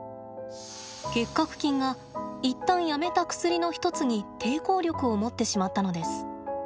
結核菌が一旦やめた薬の一つに抵抗力を持ってしまったのです。